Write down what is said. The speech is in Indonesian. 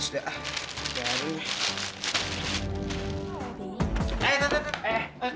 eh ternyata eh aduh